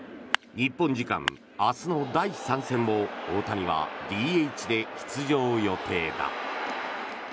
日本時間明日の第３戦も大谷はＤＨで出場予定だ。